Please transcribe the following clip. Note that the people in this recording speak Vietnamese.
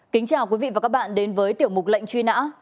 kính chào quý vị và các bạn đến với tiểu mục lệnh truy nã